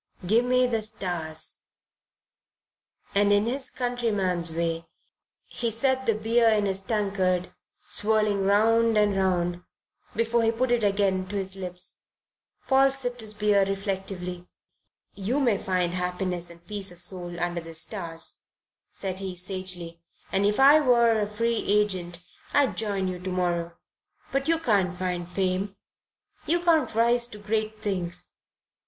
Gimme the stars." And in his countryman's way he set the beer in his tankard swirling round and round before he put it again to his lips. Paul sipped his beer reflectively. "You may find happiness and peace of soul under the stars," said he, sagely, "and if I were a free agent I'd join you tomorrow. But you can't find fame. You can't rise to great things.